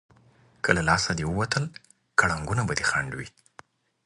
که له لاسه دې ووتل، کړنګونه به دې خنډ وي.